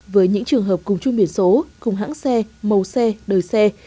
với những trường hợp cùng chung biển số cùng hãng xe màu xe đời xe